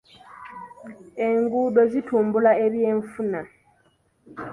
Enguudo zitumbula ebyenfuna.